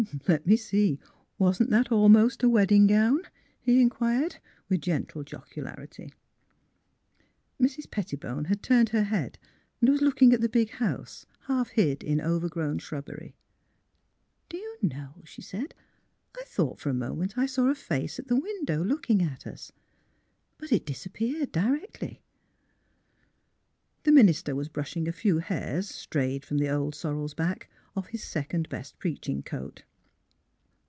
*' Let me see, wasn't that almost a wedding gown? " he inquired, with gentle jocularity. Mrs. Pettibone had turned her head and was looking at the big house, half hid in overgrown shrubbery. '' Do you know," she said, '' I thought for a moment I saw a face at the window looking at us. But it disappeared directly." The minister was brushing a few hairs, strayed from the old sorrel's back, off his second best preaching coat.